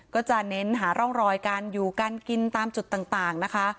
ก็จะเน้นหาร่องรอยการอยู่การกินตามจุดต่างนะคะ